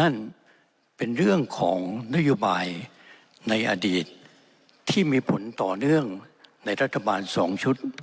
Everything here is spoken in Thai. นั่นเป็นเรื่องของนโยบายในอดีตที่มีผลต่อเนื่องในรัฐบาล๒ชุด